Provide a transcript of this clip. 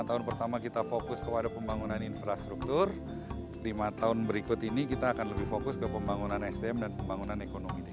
lima tahun pertama kita fokus kepada pembangunan infrastruktur lima tahun berikut ini kita akan lebih fokus ke pembangunan sdm dan pembangunan ekonomi desa